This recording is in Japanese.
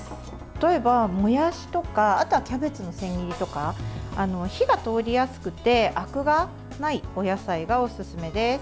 例えば、もやしとかあとはキャベツの千切りとか火が通りやすくてあくがないお野菜がおすすめです。